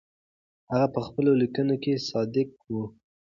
هغه په خپلو لیکنو کې صادق و.